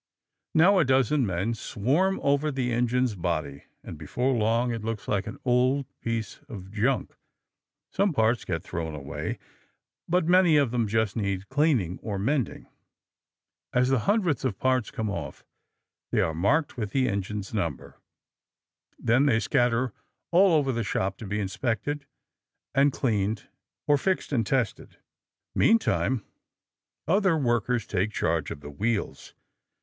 Now a dozen men swarm over the engine's body, and before long it looks like an old piece of junk. Some parts get thrown away. But many of them just need cleaning or mending. As the hundreds of parts come off, they are marked with the engine's number. Then they scatter all over the shop to be inspected and cleaned or fixed and tested. Meantime, other workers take charge of the wheels.